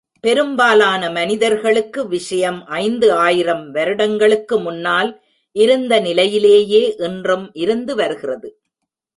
பெரும்பாலான மனிதர்களுக்கு விஷயம் ஐந்து ஆயிரம் வருடங்களுக்கு முன்னால் இருந்த நிலையிலேயே இன்றும் இருந்து வருகிறது.